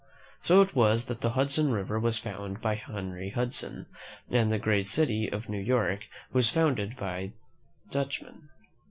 So it was that the Hudson River was found by Henry Hudson, and the great city of New York was founded by Dutchmen.